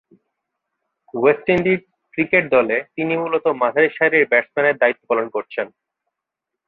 West Indies cricket দলে তিনি মূলতঃ মাঝারি সারির ব্যাটসম্যানের দায়িত্ব পালন করছেন।